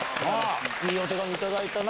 いいお手紙頂いたな。